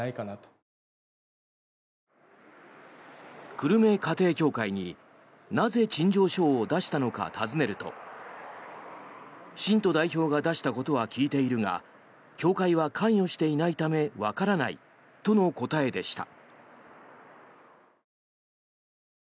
久留米家庭教会になぜ、陳情書を出したのか尋ねると信徒代表が出したことは聞いているが教会は関与していないためわからないとの答えでした。